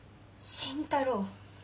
慎太郎。